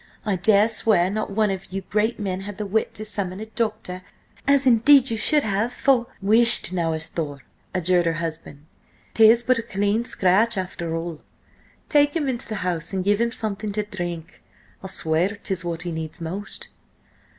I dare swear not one of you great men had the wit to summon a doctor, as indeed you should have, for—" "Whist now, asthore!" adjured her husband. "'Tis but a clean scratch after all. Take him into the house and give him something to drink! I'll swear 'tis what he needs most!"